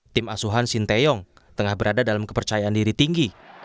tim asuhan sinteyong tengah berada dalam kepercayaan diri tinggi